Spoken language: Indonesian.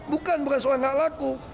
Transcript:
bukan bukan soal hak laku